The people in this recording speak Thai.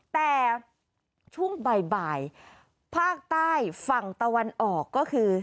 แต่ช่วงบ่ายภาคใต้ฝั่งตะวันออกก็คือ